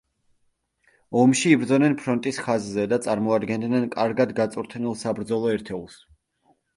ომში იბრძოდნენ ფრონტის ხაზზე და წარმოადგენდნენ კარგად გაწვრთნილ საბრძოლო ერთეულს.